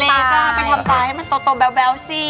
เล็กไปทำตาให้มันโตแบ๊วซิ